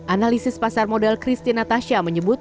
analisis pasar modal christine natasha menyebut